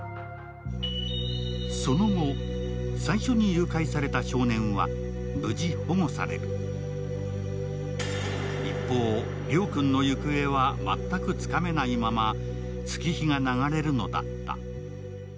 その後、最初に誘拐された少年は無事、保護され一方、亮君の行方は全くつかめないまま月日が流れるのだった。